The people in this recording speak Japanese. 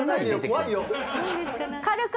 怖いよ。